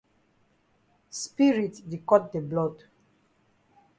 Spirit di cut de blood.